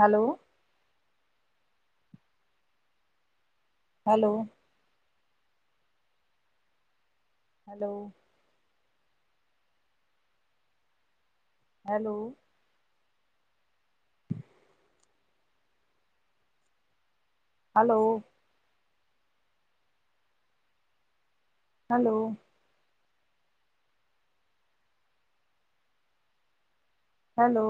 Hello hello hello hello hello hello hello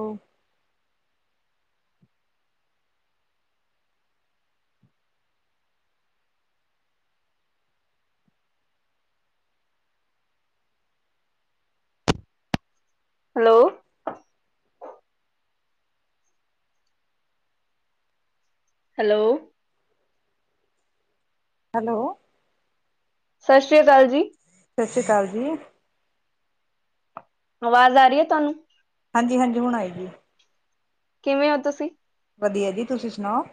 hello. Hello. Hello. ਸਾਸ੍ਰੇ ਆ ਕਾਲ ਜੀ‌। ਸਸ੍ਰੀ ਕਾਲ ਜੀ। ਅਵਾਜ਼ ਆ ਰੀ ਆ ਤੁਹਾਨੂੰ? ਹਾਂਜੀ-ਹਾਂਜੀ, ਹੁਣ ਆਏ ਜੀ। ਕਿਵੇਂ ਓ ਤੁਸੀ? ਵਦੀਆ ਜੀ ਤੁਸੀ ਸੁਨਾਓ।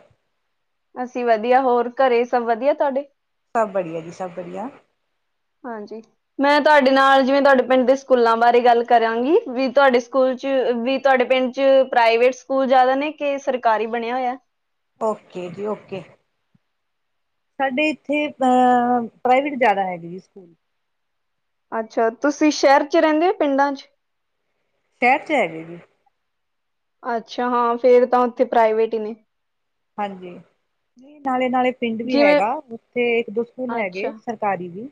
ਅਸੀ ਵਦੀਆ ਹੋਰ ਘਰੇ ਸਬ ਵਦੀਆ ਤੁਆਡੇ? ਸਬ ਬੜਿਆ ਜੀ ਸਬ ਬੜਿਆ। ਹਾਂਜੀ। ਮੈਂ ਤੁਆਡੇ ਨਾਲ ਜਿਵੇਂ ਤੁਆਡੇ ਪਿੰਡ ਦੇ ਸਕੂਲਾਂ ਬਾਰੇ ਗੱਲ ਕਰਾਂਗੀ, ਵੀ ਤੁਆਡੇ ਸਕੂਲ ਚ ਵੀ ਤੁਆਡੇ ਪਿੰਡ ਚ ਪ੍ਰਾਈਵੇਟ ਸਕੂਲ ਜਾਦਾ ਨੇ ਕੇ ਸਰਕਾਰੀ ਬਣੇਆ ਹੋਏਆ? ਓਕੇ ਜੀ ਓਕੇ। ਸਾਡੇ ਏਥੇ ਅ ਪ੍ਰਾਈਵੇਟ ਜਾਦਾ ਹੈਗੇ ਜੀ ਸਕੂਲ। ਅੱਛਾ ਤੁਸੀ ਸੈ਼ਰ ਚ ਰੈਂਦੇ ਓ ਪਿੰਡਾਂ ਚ? ਸੈ਼ਰ ਚ ਹੈਗੇ ਜੇ। ਅੱਛਾ ਹਾਂ, ਫੇਰ ਤਾਂ ਓਥੇ ਪ੍ਰਾਈਵੇਟ ਈ ਨੇ। ਹਾਂਜੀ, ਨਾਲੇ਼-ਨਾਲੇ਼ ਪਿੰਡ ਵੀ ਜਿਵੇਂ ਹੈਗਾ ਓਥੇ ਇੱਕ ਦੋ ਸਕੂਲ ਹੈਗੇ ਅੱਛਾ ਸਰ ਸਰਕਾਰੀ ਵੀ,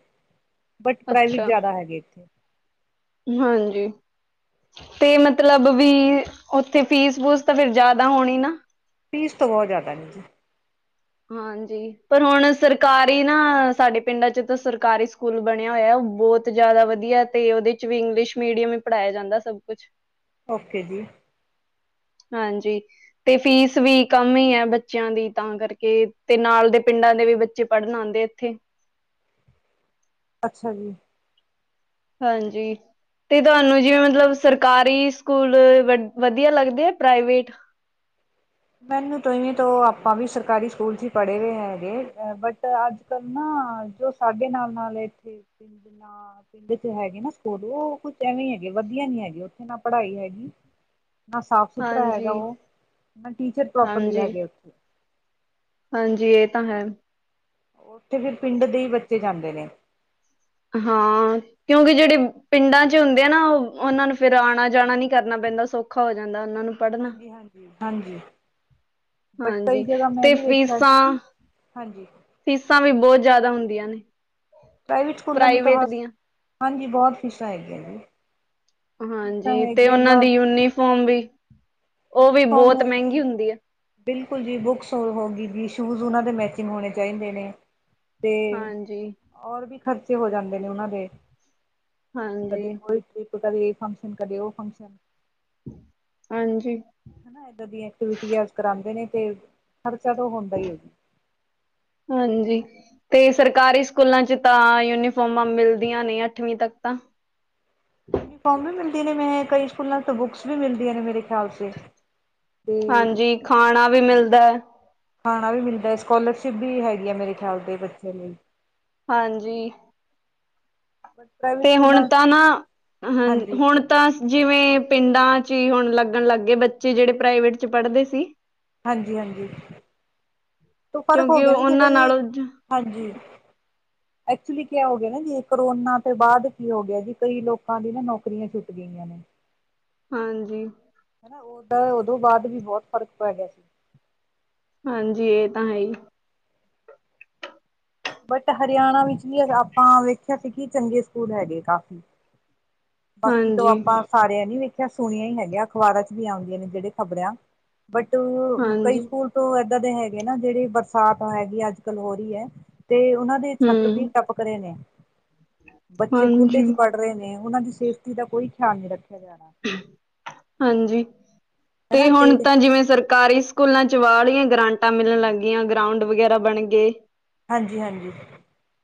ਬੱਟ ਅੱਛਾ ਪ੍ਰਾਈਵਟ ਜਾਦਾ ਹੈਗੇ ਏਥੇ। ਹਾਂਜੀ। ਤੇ ਮਤਲਬ ਬੀ ਓਥੇ ਫੀਸ-ਫੂਸ ਤਾਂ ਫੇਰ ਜਾਦਾ ਹੋਣੀ ਨਾ। ਫੀਸ ਤੋਂ ਬੋਤ ਜਾਦਾ ਆ ਮੇਰੀ। ਹਾਂਜੀ। ਪਰ ਹੋਣ ਸਰਕਾਰੀ ਨਾ, ਸਾਡੇ ਪਿੰਡਾਂ ਚ ਤਾਂ ਸਰਕਾਰੀ ਸਕੂਲ ਬਣੇਆ ਹੋਏਆ ਓ ਬੋਤ ਜਾਦਾ ਵਦੀਆ। ਤੇ ਓਦੇ ਚ ਵੀ ਇੰਗਲਿਸ਼ ਮੀੜੀਅਮ ਈ ਪੜਾਏਆ ਜਾਂਦਾ ਸਬ ਕੁੱਛ। ਓਕੇ ਜੀ। ਹਾਂਜੀ। ਤੇ ਫੀਸ ਵੀ ਕਮ ਹੀ ਹੈ ਬੱਚਿਆਂ ਦੀ ਤਾਂ ਕਰਕੇ, ਤੇ ਨਾਲ ਦੇ ਪਿੰਡਾਂ ਦੇ ਵੀ ਬੱਚੇ ਪੜ੍ਹਨ ਆਉਂਦੇ ਇੱਥੇ। ਅੱਛਾ ਜੀ! ਹਾਂਜੀ। ਤੇ ਤੁਹਾਨੂੰ ਜਿਵੇਂ ਮਤਲਬ ਸਰਕਾਰੀ ਸਕੂਲ ਵ ਵਧੀਆ ਲੱਗਦੇ ਆ ਪ੍ਰਾਈਵੇਟ। ਮੈਨੂੰ ਤੋਹੀ ਵੇਂ ਤੋਂ ਆਪਾਂ ਵੀ ਸਰਕਾਰੀ ਸਕੂਲ 'ਚ ਹੀ ਪੜ੍ਹੇ ਹੋਏ ਹੈਗੇ। ਬਟ ਅੱਜ ਕਰਨਾ। ਜੋ ਸਾਡੇ ਨਾਲ-ਨਾਲ ਵਾਲੇ ਨਾ। ਪਿੰਡ 'ਚ ਹੈਗੇ ਨਾ ਸਕੂਡੋ ਉਹ ਕੁਛ ਐਵੇਂ ਹੈਗੇ, ਵਧੀਆ ਨੀ ਹੈਗੇ ਉੱਥੇ ਨਾ ਪੜ੍ਹਾਈ ਹੈਗੀ। ਨਾ ਸਾਫ ਸੁਥਰਾ ਹੈਗਾ ਹਾਂਜੀ ਉਹ, ਨਾ ਟੀਚਰ ਪ੍ਰੋਪਰਲੀ ਹਾਂਜੀ ਹੈਗੇ ਉੱਥੇ। ਹਾਂਜੀ, ਇਹ ਤਾਂ ਹੈ। ਉੱਥੇ ਫਿਰ ਪਿੰਡ ਦੇ ਹੀ ਬੱਚੇ ਜਾਂਦੇ ਨੇ। ਹਾਂ। ਕਿਉਂਕਿ ਜਿਹੜੇ ਪਿੰਡਾਂ 'ਚ ਹੁੰਦੇ ਆ ਨਾ, ਉਹ ਉਹਨਾਂ ਨੂੰ ਫਿਰ ਆਉਣਾ ਜਾਣਾ ਨੀ ਕਰਨਾ ਪੈਂਦਾ, ਸੌਖਾ ਹੋ ਜਾਂਦਾ ਉਹਨਾਂ ਨੂੰ। ਪੜ੍ਹਨਾ ਹਾਂਜੀ- ਹਾਂਜੀ, ਹਾਂਜੀ। ਬਟ ਹਾਂਜੀ ਕਈ ਜਗ੍ਹਾ ਮੈਂ ਤੇ ਵੀ ਦੇੇਖਿਆ, ਫੀਸਾਂ ਕੀ-ਕੀ ਹਾਂਜੀ। ਫੀਸਾਂ ਵੀ ਬਹੁਤ ਜ਼ਿਆਦਾ ਹੁੰਦੀਆਂ ਨੇ। ਪ੍ਰਾਈਵੇਟ ਸਕੂਲਾਂ ਦੀ ਤਾਂ ਪ੍ਰਾਈਵੇਟ ਬਸ, ਦੀਆਂ ਹਾਂਜੀ ਬਹੁਤ ਫੀਸਾਂ ਹੈਗੀਆਂ ਜੀ। ਫੀਸਾਂ ਹਾਂਜੀ, ਤੇ ਹੈਗੀਆਂ ਉਹਨਾਂ ਦੀ ਬਸ ਯੂਨੀਫੋਮ ਵੀ ਉਹ ਵੀ ਯੂਨੀਫਾਰਮ ਬਹੁਤ ਮਹਿੰਗੀ ਹੈਗੀ ਹੁੰਦੀ ਆ‌। ਬਿਲਕੁਲ ਜੀ, ਬੁੱਕਸ ਹੋ ਗਈ ਜੀ, ਸ਼ੂਜ਼ ਉਹਨਾਂ ਦੇ ਮੈਚਿੰਗ ਹੋਣੇ ਚਾਹੀਦੇ ਨੇ। ਤੇ, ਹਾਂਜੀ ਔਰ ਵੀ ਖਰਚੇ ਹੋ ਜਾਂਦੇ ਨੇ ਉਹਨਾਂ ਦੇ। ਹਾਂਜੀ। ਕਦੇ ਕੋਈ ਟ੍ਰਿਪ ਕਦੇ ਇਹ ਫੰਕਸ਼ਨ, ਕਦੇ ਉਹ ਫੰਕਸ਼ਨ। ਹਾਂਜੀ। ਹਨਾ, ਏਦਾਂ ਦੀ ਐਕਟੀਵਿਟੀਸ ਕਰਾਉਦੇ ਨੇ ਤੇ ਖ਼ਰਚਾ ਹੁੰਦਾ ਏ ਜੀ। ਹਾਂਜੀ। ਤੇ ਸਰਕਾਰੀ ਸਕੂਲਾਂ 'ਚ ਤਾਂ ਯੂਨੀਫੋਮਾਂ ਮਿਲਦੀਆਂ ਨੇ ਅੱਠਵੀਂ ਤੱਕ ਤਾਂ। ਯੂਨੀਫੋਮ ਵੀ ਮਿਲਦੀ ਨੇ, ਮੈਂ ਕਈ ਸਕੂਲਾਂ ਤੋਂ ਬੁੱਕਸ ਵੀ ਮਿਲਦੀਆਂ ਨੇ ਮੇਰੇ ਖਿਆਲ ਸੇ। ਤੇ ਹਾਂਜੀ, ਖਾਣਾ ਵੀ ਮਿਲਦਾ। ਖਾਣਾ ਵੀ ਮਿਲਦਾ, ਸਕੋਲਰਸ਼ਿਪ ਵੀ ਹੈਗੀ ਹੈ ਮੇਰੇ ਖਿਆਲ ਦੇ ਬੱਚਿਆਂ ਲਈ। ਹਾਂਜੀ। ਬਟ ਪ੍ਰਾਈਵੇਟ ਤੇ ਸਕੂਲਾਂ ਹੁਣ ਤਾਂ ਨਾ, ਹਾਂਜੀ ਹੁਣ। ਤਾਂ ਜਿਵੇਂ ਪਿੰਡਾਂ 'ਚ ਹੀ ਹੁਣ ਲੱਗਣ ਲੱਗ ਗਏ, ਬੱਚੇ ਜਿਹੜੇ ਪ੍ਰਾਈਵੇਟ 'ਚ ਪੜ੍ਹਦੇ ਸੀ। ਹਾਂਜੀ-ਹਾਂਜੀ, ਹੁਨ ਫ਼ਰਕ ਹੋ ਕਿਉਂਕਿ ਗਿਆ ਨਾ, ਉਹਨਾਂ ਜਿਹੜੇ ਨਾਲੋਂ ਹਾਂਜੀ। ਐਕਚੁਲੀ ਕਯਾ ਹੋ ਗਿਆ ਨਾ ਜੀ, ਕਰੋਨਾ ਤੋਂ ਬਾਅਦ ਕੀ ਹੋ ਗਿਆ ਜੀ ਕਈ ਲੋਕਾਂ ਦੀ ਨਾ ਨੌਕਰੀਆਂ ਛੁੱਟ ਗਈਆਂ ਨੇ। ਹਾਂਜੀ। ਹਨਾ ਉਦਾ, ਉਦੋਂ ਬਾਅਦ ਵੀ ਬਹੁਤ ਫਰਕ ਪੈ ਗਿਆ ਸੀ। ਹਾਂਜੀ, ਇਹ ਤਾਂ ਹੈ ਹੀ। ਬਟ ਹਰਿਆਣਾ ਵਿੱਚ ਵੀ ਆਪਾਂ ਵੇਖਿਆ ਸੀ, ਕਿ ਚੰਗੇ ਸਕੂਲ ਹੈਗੇ ਕਾਫੀ। ਬਾਕੀ ਤੋਂ ਹਾਂਜੀ ਆਪਾਂ ਸਾਰਿਆਂ ਨੀ ਵੇਖਿਆ ਸੁਣੀਆਂ ਹੀ ਹੈਗੀਆਂ, ਅਖ਼ਬਾਰਾਂ ਚ' ਵੀ ਆਉਂਦੀਆਂ ਨੇ ਜਿਹੜੇ ਖ਼ਬਰਾਂ ਬਟ ਕਈ ਹਾਂਜੀ ਸਕੂਲ, ਤੋਂ ਏਦਾਂ ਦੇ ਹੈਗੇ ਨਾ, ਜਿਹੜੀ ਬਰਸਾਤ ਹੈਗੀ ਅੱਜ ਕੱਲ ਹੋ ਰਹੀ ਹੈ ਤੇ ਉਹਨਾਂ ਦੇ ਛੱਤ ਹਮ ਵੀ ਟਪਕ ਰੇ ਨੇ, ਬੱਚੇ ਖੁੱਲੇ ਹਾਂਜੀ 'ਚ ਪੜ੍ਹ ਰੇ ਨੇ ਓਨਾਂ ਦੀ ਤੇਸਟੀ ਦਾ ਕੋਈ ਖਿਆਲ ਨਈ ਰੱਖਿਆ ਜਾਨਾ। ਹਾਂਜੀ ਤੇ ਹੁਣ ਤਾਂ ਜਿਵੇਂ ਸਰ ਕਾਰੀ ਸਕੂਲਾਂ 'ਚ ਵਾਹਲੀਐਂ ਗਰਾਂਟਾਂ ਮਿਲਣ ਲੱਗ ਗਈਆਂ, ਗਰਾਊਂਡ ਵਗੈਰਾ ਬਣ ਗੇ। ਹਾਂਜੀ-ਹਾਂਜੀ,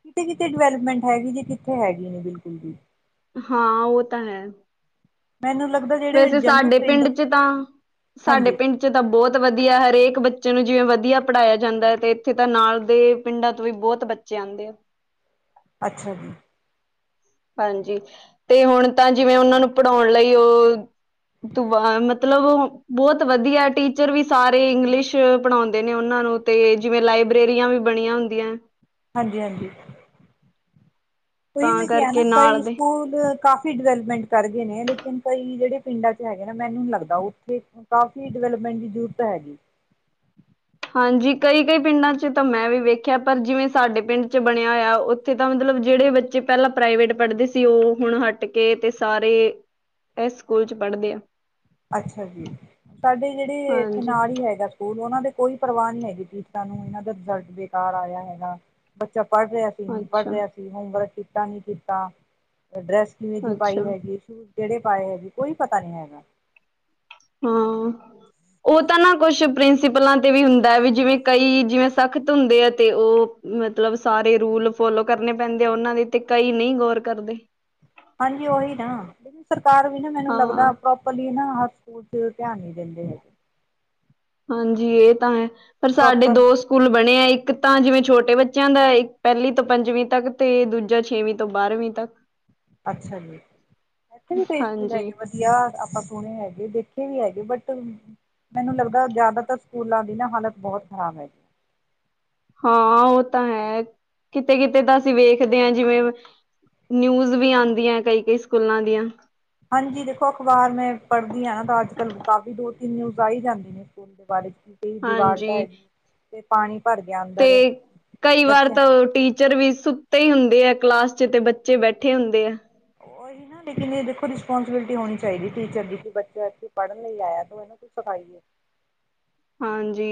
ਕਿਤੇੇ-ਕਿਤੇ ਡਿਵੈਲਪਮੈਂਟ ਹੈਗੀ ਜੀ, ਕਿੱਥੇ ਹੈਗੀ ਨੀ ਬਿਲਕੁਲ ਵੀ। ਹਾਂ ਓ ਤਾਂ ਹੈ। ਮੈਨੂੰ ਲੱਗਦੈ ਵੈਸੇ ਸਾਡੇ ਪਿੰਡ 'ਚ ਤਾਂ ਸਾਡੇ ਹਾਂਜੀ ਪਿੰਡ 'ਚ ਤਾਂ ਬੋਤ ਵਧੀਆ ਹਰੇਕ ਬੱਚੇ ਨੂੰ ਜਿਵੇਂ ਵਧੀਆ ਪੜ੍ਹਾਇਆ ਜਾਂਦਾ ਏ ਤੇ ਇੱਥੇ ਤਾਂ ਨਾਲ ਦੇ ਪਿੰਡਾਂ ਤੋਂ ਵੀ ਬੋਤ ਬੱ ਚੇ ਆਂਦੇ ਆ। ਅੱਛਾ ਜੀ। ਹਾਂਜੀ ਤੇ ਹੁਣ ਤਾਂ ਜਿਵੇਂ ਓਨਾਂ ਨੂੰ ਪੜ੍ਹਾਉਣ ਲਈ ਓ ਤ ਵਾ ਮਤਲਬ ਬੋਤ ਵਧੀਆ ਟੀਚਰ ਵੀ ਸਾਰੇ ਇੰਗਲਿਸ਼ ਪੜਓਦੇ ਨੇ ਓਨਾਂ ਨੂੰ। ਤੇ ਜਿਵੇਂ ਲਾਇਬ੍ਰੇਰੀਆਂ ਵੀ ਬਣੀਆਂ ਹੁੰਦੀਐ। ਹਾਂਜੀ-ਹਾਂਜੀ ਤੋ ਈ ਤਾਂ ਮੈਂ ਕਿਐ ਨਾ ਕਰਕੇ ਨਾਲ ਕਈ ਦੇ ਸਕੂਲ ਕਾ ਫੀ ਡਿਵੈਲਪਮੈਂਟ ਕਰ ਗਏ ਨੇ ਲੇਕਿਨ ਕਈ ਜੇੜੇ ਪਿੰਡਾਂ 'ਚ ਹੈਗੇ ਨਾ ਮੈਨੂੰ ਨ ਲੱਗਦਾ ਓਥੇ ਹੁ ਕਾਫੀ ਡਿਵੈਲਪਮੈਂਟ ਦੀ ਜ਼ਰੂਰਤ ਹੈਗੀ। ਹਾਂਜੀ ਕਈ-ਕਈ ਪਿੰਡਾਂ 'ਚ ਤਾਂ ਮੈਂ ਵੀ ਵੇਖਿਐ ਪਰ ਜਿਵੇਂ ਸਾਡੇ ਪਿੰਡ 'ਚ ਬਣਿਆ ਹੋਇਆ ਓ ਥੇ ਤਾਂ ਮਤਲਬ ਜੇੜੇ ਬੱਚੇ ਪੈਲਾਂ ਪ੍ਰਾਈਵੇਟ ਪੜ੍ਹਦੇ ਸੀ ਓ ਹੁਣ ਹਟ ਕੇ ਤੇ ਸਾਰੇ ਐਸ ਸਕੂਲ 'ਚ ਪੜ੍ਹਦੇ ਆਂ। ਅੱਛਾ ਜੀ, ਤਾਡੇ ਜੇੜੇ ਏੱਥੇ ਹਾਂਜੀ ਨਾਲ ਈ ਹੈਗਾ ਹੂਨ ਓਨਾਂ ਦੇ ਕੋਈ ਪਰਵਾਹ ਨੀ ਹੈਗੀ ਟੀਚਰਾ ਨੂੰ ਏਨਾਂ ਦਾ ਰਿਜ਼ਲਟ ਬੇਕਾਰ ਆਏਆ ਹੈਗਾ। ਬੱਚਾ ਪੜ੍ਹ ਰਿਐ ਤੇ ਹੁਨ ਪੜ੍ਹ ਅੱਛਾ ਰਿਆ ਕੇ ਨਈ, ਹੋਮਵਰਕ ਕੀਤਾ ਨੀ ਕੀਤਾ, ਡਰੈਸ ਕਿਵੇਂ ਦੀ ਅੱਛਾ ਪਾਈ ਹੈਗੀ ਬੂਟ ਕੇੜੇ ਪਾਏ ਹੈਗੇ ਕੋਈ ਪਤਾ ਨੀ ਹੈਗਾ। ਹਾਂ। ਓ ਤਾਂ ਨਾ ਕੁਛ ਪ੍ਰਿੰਸੀਪਲਾਂ ਤੇ ਵੀ ਹੁੰਦਾ ਐ ਵੀ ਜਿਵੇਂ ਕਈ ਜਿਵੇਂ ਸਖ਼ਤ ਹੁੰਦੇ ਆ ਤੇ ਓ ਮਤਲਬ ਸਾਰੇ ਰੂਲ ਫੋਲੋ ਕਰਨੇ ਪੈਂਦੇ ਆ ਓਨਾਂ ਦੇ ਤੇ ਕਈ ਨਈ ਗੌਰ ਕਰਦੇ। ਹਾਂਜੀ ਓਈ ਨਾ ਸਰਕਾਰ ਵੀ ਨਾ ਮੈਨੂੰ ਹਾਂ ਲੱਗਦਾ ਪ੍ਰੋਪ ਰਲੀ ਨਾ ਹਰ ਸਕੂਲ 'ਚ ਧਿਆਨ ਨ ਦਿੰਦੇ ਹੈਗੇ। ਹਾਂਜੀ ਏ ਤਾਂ ਹੈ ਪਰ ਸਾਡੇ ਪ੍ਰੋਪਰ ਦੋ ਸ ਕੂਲ ਬਣੇ ਆ। ਇੱਕ ਤਾਂ ਜਿਵੇਂ ਛੋਟੇ ਬੱਚੇਆਂ ਦਾ, ਏੱਕ ਪੈਲੀ ਤੋਂ ਪੰਜਵੀਂ ਤੱਕ ਤੇ ਦੂਜਾ ਛੇਵੀਂ ਤੋਂ ਬਾਰ੍ਹਵੀਂ ਤੱਕ ਅੱਛਾ ਜੀ, ਇੱਥੇ ਵੀ ਕਈ ਸਕੂਲ ਹੈਗੇ ਹਾਂਜੀ ਬਸ ਆ ਆਪਾਂ ਸੁਣੇ ਹੈਗੇ, ਦੇਖੇ ਵੀ ਹੈਗੇ ਬਟ ਮੈਨੂੰ ਲੱਗਦੈ ਜ਼ਿਆਦਾਤਰ ਸਕੂਲਾਂ ਦੀ ਨਾ ਹਾਲਤ ਬਹੋਤ ਖ਼ਰਾਬ ਹੈਗੀ। ਹਾਂ ਓ ਤਾਂ ਹੈ, ਕਿਤੇ-ਕਿਤੇ ਤਾਂ ਅਸੀ ਵੇਖਦੇ ਆਂ ਜਿਵੇਂ ਨਿਊਜ਼ ਵੀ ਆਦੀਐ ਕਈ-ਕਈ ਸਕੂਲਾਂ ਦੀਆਂ ਹਾਂਜੀ ਦੇਖੋ ਅਖ਼ਬਾਰ ਮੈਂ ਪੜ੍ਹਦੀ ਆਂ ਨਾ ਤਾਂ ਅੱਜ ਕਾੱਲ ਕਾਫ਼ੀ ਦੋ ਤਿੰਨ ਨਿਊਜ਼ ਆ ਈ ਜਾਂਦੇ ਨੇ। ਪਿੰਡ ਬਾਰੇ ਕੀ ਹਾਂਜੀ ਭਰ ਗਿਆ ਤੇ ਅੰਦਰ ਕਈ ਵਾਰ ਬੱਚਿਆਂ ਤਾਂ ਓ ਟੀ ਚਰ ਵੀ ਸੁੱਤੇ ਈ ਹੁੰਦੇ ਆ ਕਲਾਸ 'ਚ ਤੇ ਬੱਚੇ ਬੈਠੇ ਹੁੰਦੇ ਆ। ਓਹੀ ਨਾ ਲੇਕਿਨ ਏ ਦੇਖੋ ਰਿਸਪੋਂਸੀਬਿਲਿਟੀ ਹੋਣੀ ਚਾਈਦੀ ਐ ਟੀਚਰ ਦੀ ਕਿ ਬੱਚਾ ਐਥੇ ਪੜ੍ਹਨ ਲਈ ਆਇਆ ਤੇ ਮੈਨੂੰ ਕਿ ਸਫ਼ਾਈ ਏ। ਹਾਂਜੀ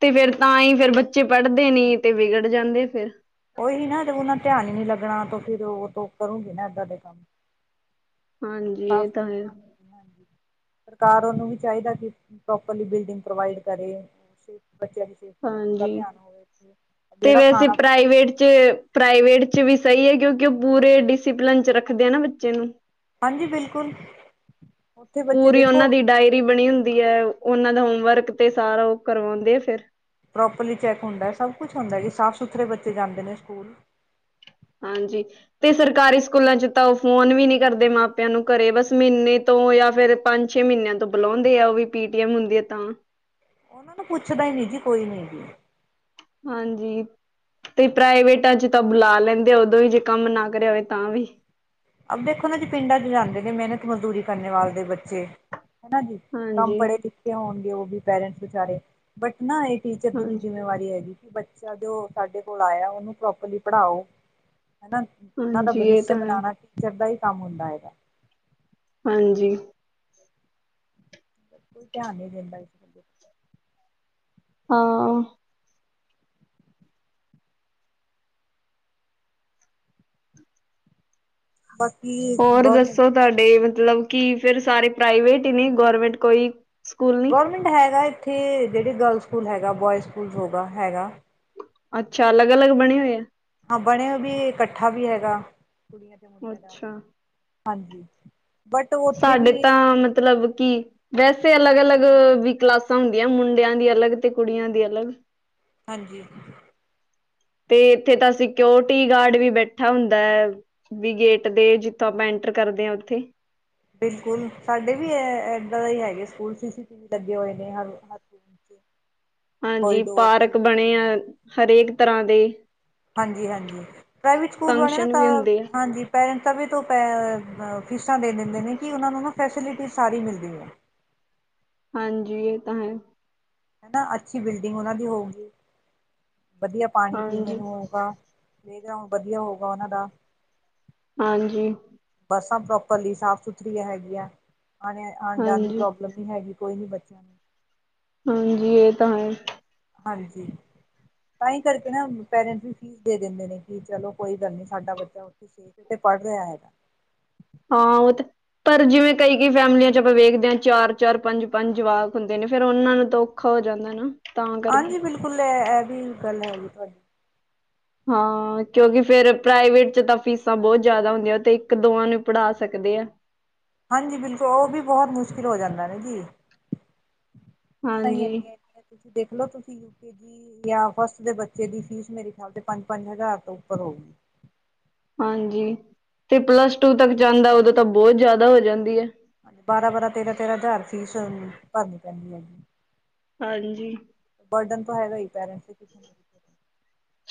ਤੇ ਫੇਰ ਤਾਂ ਈ ਫੇਰ ਬੱਚੇ ਪੜ੍ਹਦੇ ਨੀ ਤੇ ਵਿਗੜ ਜਾਂਦੇ ਫਿਰ। ਓਹੀ ਨਾ ਤੇ ਓਨਾਂ ਧਿਆਨ ਈ ਨੀ ਲੱਗਣਾ ਤੋ ਫਿਰ ਓ ਤੋ ਕਰੂੰਗੇ ਨਾ ਏਦਾਂ ਦੇ ਕੰਮ। ਹਾਂਜੀ ਸਭ, ਇਹ ਤਾਂ ਹੈ ਸਰਕਾਰ ਉਹਨੂੰ ਵੀ ਚਾਹੀਦਾ ਕਿ, ਪ੍ਰੋਪਰਲੀ ਬਿਲਡਿੰਗ ਪ੍ਰੋਵਾਈਡ ਕਰੇ ਬੱਚਿਆਂ ਦੀ ਸੇਫਟੀ ਦਾ ਪੂਰਾ ਹਾਂਜੀ, ਧਿਆਨ ਹੋਵੇ ਤੇ ਜਿਹੜਾ ਵੈਸੇ ਖਾਣਾ ਪ੍ਰਾਈਵੇਟ ਪ੍ਰਾਈਵੇਟ ਵਿਚ ਵੀ ਸਹੀ ਹੈ, ਕਿਉਂਕਿ ਉਹ ਪੂਰੇ ਡਿਸਿਪਲਨ ਚ ਰੱਖਦੇ ਆ ਨਾ ਬੱਚੇ ਨੂੰ ਹਾਂਜੀ ਬਿਲਕੁਲ। ਉੱਥੇ ਬੱਚੇ ਪੂਰੀ ਉਹਨਾਂ ਦੇਖੋ ਦੀ ਡਾਇਰੀ ਬਣੀ ਹੁੰਦੀ ਹੈ। ਉਹਨਾਂ ਦਾ ਹੋਮਵਰਕ ਤੇ ਸਾਰਾ ਉਹ ਕਰਵਾਉਂਦੇ ਆ ਫਿਰ ਪ੍ਰੋਪਰਲੀ ਚੈੱਕ ਹੁੰਦਾ ਸਭ ਕੁਛ ਹੁੰਦਾ, ਕਿ ਸਾਫ਼ ਸੁਥਰੇ ਬੱਚੇ ਜਾਂਦੇ ਨੇ ਸਕੂਲ। ਹਾਂਜੀ, ਤੇ ਸਰਕਾਰੀ ਸਕੂਲਾਂ ਚ ਤਾਂ ਉਹ ਫੋਨ ਵੀ ਨੀ ਕਰਦੇ ਮਾਪਿਆਂ ਨੂੰ ਘਰੇ ਬਸ ਮਹੀਨੇ ਤੋਂ ਜਾਂ ਫੇਿਰ ਪੰਜ ਛੇ ਮਹੀਨਿਆਂ ਤੋਂ ਬੁਲਾਉਂਦੇ ਆ, ਉਹ ਵੀ ਪੀਟੀਐਮ ਹੁੰਦੀ ਹੈ ਤਾਂ। ਉਹਨਾਂ ਨੂੰ ਪੁੱਛਦਾ ਹੀ ਨੀ ਜੀ, ਕੋਈ ਨੀ। ਹਾਂਜੀ, ਤੇ ਪ੍ਰਾਈਵੇਟਾ 'ਚ ਤਾਂ ਬੁਲਾ ਲੈਂਦੇ ਆ ਉਦੋਂ ਵੀ, ਜੇ ਕੰਮ ਨਾ ਕਰਿਆ ਹੋਵੇ ਤਾਂ ਵੀ। ਦੇਖੋ ਨਾ ਜੇ ਪਿੰਡਾਂ 'ਚ ਜਾਂਦੇ ਨੇ ਮਿਹਨਤ ਮਜ਼ਦੂਰੀ ਕਰਨੇ ਵਾਲ ਦੇ ਬੱਚੇ। ਹਨਾ ਜੀ, ਕੰਮ ਹਾਂਜੀ ਪੜ੍ਹੇ ਲਿਖੇ ਹੋਣਗੇ ਉਹ ਵੀ ਪੇਰੈਂਟਸ ਵਿਚਾਰੇ ਬਟ ਨਾ, ਇਹ ਟੀਚਰ ਦੀ ਵੀ ਹਾਂਜੀ ਜਿੰਮੇਵਾਰੀ ਹੈਗੀ, ਕਿ ਬੱਚਾ ਜੋ ਸਾਡੇ ਕੋਲ ਆਇਆ, ਉਹਨੂੰ ਪ੍ਰੋਪਰਲੀ ਪੜ੍ਹਾਓ ਹਨਾ। ਉਹ ਦਾ ਹਾਂਜੀ ਇਹ ਭਵਿਸ਼ ਤਾਂ ਹੈ ਬਣਾਉਣਾ ਟੀਚਰ ਦਾ ਹੀ ਕੰਮ ਹੁੰਦਾ ਹੈਗਾ। ਹਾਂਜੀ। ਬਿਲਕੁਲ ਧਿਆਨ ਨੀ ਦਿੰਦਾ ਇਸ ਵਲ। ਹਾਂ ਬਾਕੀ ਹੋਰ ਗੌਰਮੈਂਟ ਦੱਸੋ ਤੁਹਾਡੇ ਮਤਲਬ ਕਿ, ਫੇਰ ਸਾਰੇ ਪ੍ਰਾਈਵੇਟ ਹੀ ਨੇ ਗੌਰਮੈਂਟ ਕੋਈ? ਸਕੂਲ ਨੀ ਗਰਮੈਂਟ ਹੈਗਾ ਇੱਥੇ, ਜਿਹੜੇ ਗਰਲ ਸਕੂਲ ਹੈਗਾ, ਬੋਇ ਸਕੂਲ ਹੋਗਾ ਹੈਗਾ। ਅੱਛਾ, ਅਲੱਗ-ਅਲੱਗ ਬਣੇ ਹੋਏ ਆ। ਹਾਂ ਬਣੇ ਵੀ ਇਕੱਠਾ ਵੀ ਹੈਗਾ ਕੁੜੀਆਂ ਤੇ ਮੁੰਡਿਆਂ ਦਾ, ਅੱਛਾ ਹਾਂਜੀ। ਬਟ ਉੱਥੇ ਸਾਡੇ ਵੀ ਤਾਂ ਮਤਲਬ ਕੀ ਵੈਸੇ ਅਲੱਗ- ਅਲੱਗ ਵੀ ਕਲਾਸਾਂ ਹੁੰਦੀਆਂ, ਮੁੰਡਿਆਂ ਦੀ ਅਲੱਗ ਤੇ ਕੁੜੀਆਂ ਦੀ ਅਲੱਗ। ਹਾਂਜੀ। ਤੇ ਇੱਥੇ ਤਾਂ ਸਿਕਓਰਟੀ ਗਾਰਡ ਵੀ ਬੈਠਾ ਹੁੰਦਾ। ਵੀ ਗੇਟ ਦੇ ਜਿੱਥੋਂ ਆਪਾਂ ਐਂਟਰ ਕਰਦੇ ਹਾਂ ਉੱਥੇ ਬਿਲਕੁਲ, ਸਾਡੇ ਵੀ ਇਏਦਾਂ ਹੀ ਹੈਗੇ ਸਕੂਲ ਸੀ ਸੀ ਟੀ ਵੀ ਲੱਗੇ ਹੋਏ ਨੇ ਹ। ਹਾਂਜੀ, ਚ ਪਾਰਕ ਬਣੇ ਆ ਹਰੇਕ ਤਰ੍ਹਾਂ ਦੇ। ਹਾਂਜੀ, ਹਾਂਜੀ ਪ੍ਰਾਈਵੇਟ ਸਕੂਲ ਵਾਲੇ ਨਾ ਫੰਕਸ਼ਨ ਤਾਂ ਵੀ ਹੁੰਦੇ ਆ ਹਾਂਜੀ। ਪੈਰੈਂਟਸਾਂ ਵੀ ਤੋਂ ਪੈ ਫੀਸਾਂ ਦੇ ਦਿੰਦੇ ਨੇ, ਕਿ ਉਹਨਾਂ ਨੂੰ ਨਾ ਫੈਸਿਲਿਟੀ ਸਾਰੀ ਮਿਲਦੀ ਹੈ। ਹਾਂਜੀ, ਇਹ ਤਾਂ ਹੈ। ਹਨਾ, ਅੱਛੀ ਬਿਲਡਿੰਗ ਉਹਨਾਂ ਦੀ ਹੋਊਗੀ। ਵਧੀਆ ਪਾਣੀ ਪੀਣੇ ਹਾਂਜੀ ਨੂੰ ਹੋਊਗਾ। ਬੈਕਗਰਾਊਂਡ ਵਧੀਆ ਹੋਊਗਾ ਉਹਨਾਂ ਦਾ। ਹਾਂਜੀ। ਬੱਸਾਂ ਪ੍ਰੋਪਰਲੀ ਸਾਫ਼ ਸੁਥਰੀਆਂ ਹੈਗੀਆਂ ਆ। ਆਉਣ ਜਾਣ ਦੀ ਹਾਂਜੀ ਪ੍ਰੋ ਮਤਲਬੀ ਹੈਗੀ ਕੋਈ ਨੀ ਬੱਚਿਆਂ ਨੂੰ ਹਾਂਜੀ, ਇਹ ਤਾਂ ਹੈ। ਹਾਂਜੀ। ਤਾਂ ਹੀ ਕਰਕੇ ਨਾ ਪੇਰੈਂਟਸ ਵੀ ਫੀਸ ਦੇ ਦਿੰਦੇ ਨੇ, ਕਿ ਚਲੋ ਕੋਈ ਗੱਲ ਨੀ ਸਾਡਾ ਬੱਚਾ ਉੱਥੇ ਤੇ ਪੜ੍ਹ ਰਿਹਾ ਹੈਗਾ। ਹਾਂ ਉਹ ਤਾਂ ਪਰ ਜਿਵੇਂ ਕਈ-ਕਈ ਫੈਮਲੀਆਂ 'ਚ ਆਪਾਂ ਵੇਖਦੇ ਹਾਂ ਚਾਰ, ਚਾਰ ਪੰਜ ਪੰਜ ਜਵਾਕ ਹੁੰਦੇ ਨੇ ਫੇਿਰ ਉਹਨਾਂ ਨੂੰ ਤੋਂ ਔਖਾ ਹੋ ਜਾਂਦਾ ਨਾ। ਤਾਂ ਕਰਕੇ ਹਾਂਜੀ ਬਿਲਕੁਲ ਇਹ, ਇਹ ਵੀ ਗੱਲ ਹੈ ਜੀ ਤੁਹਾਡੀ। ਹਾਂ ਕਿਉਂਕਿ ਫੇਰ ਪ੍ਰਾਈਵੇਟ ਚ ਤਾਂ ਫੀਸਾਂ ਬਹੁਤ ਜ਼ਿਆਦਾ ਹੁੰਦੀਆਂ। ਇੱਕ ਦੋਵਾਂ ਨੂੰ ਪੜ੍ਹਾ ਸਕਦੇ ਆ। ਹਾਂਜੀ ਬਿਲਕੁਲ ਉਹ ਵੀ ਬਹੁਤ ਮੁਸ਼ਕਿਲ ਹੋ ਜਾਂਦਾ ਨਾ ਜੀ। ਪੀਸ ਤਾਂ ਇਹ ਹਾਂਜੀ ਐਨੀਆਂ ਨੇ ਦੇਖਲੋ ਤੁਸੀਂ ਯੂਕੇ ਜਾਂ ਫਸਟ ਦੇ ਬੱਚੇ ਦੀ ਫੀਸ ਮੇਰੇ ਖਿਆਲ ਤੇ ਪੰਜ, ਪੰਜ ਹਜ਼ਾਰ ਤੋਂ ਉੱਪਰ ਹੋਉਗੀ। ਹਾਂਜੀ ਤੇ ਪਲੱਸ ਟੂ ਤੱਕ ਜਾਂਦਾ ਉਦੋਂ ਤਾਂ ਬਹੁਤ ਜ਼ਿਆਦਾ ਹੋ ਜਾਂਦੀ ਹੈ। ਹਾਂਜੀ ਬਾਰਾਂ ਬਾਰਾਂ ਤੇਰਾਂ ਤੇਰਾਂ ਹਜ਼ਾਰ ਫੀਸ ਭਰਨੀ ਪੈਂਦੀ ਹੈਗੀ। ਹਾਂਜੀ ਬਰਡਨ ਤੋ ਹੈਗਾ ਹੀ ਪੇਰੈਂਟਸ ਲਈ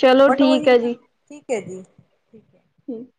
ਚਲੋ ਬਟ ਉਹੀ ਹੈ ਨਾ ਠੀਕ। ਠੀਕ ਹੈ ਜੀ। ਠੀਕ ਹੈ। ਹਮ